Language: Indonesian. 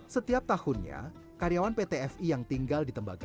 setiap tahunnya karyawan pt fi yang tinggal di tembaga